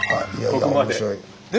ここまで。